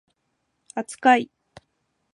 扱い